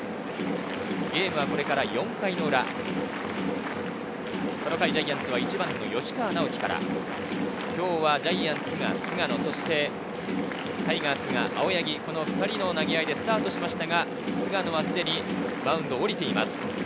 ゲームはこれから４回の裏、この回、ジャイアンツは１番の吉川尚輝から今日はジャイアンツが菅野、タイガースが青柳、この２人の投げ合いでスタートしましたが、菅野はすでにマウンドを降りています。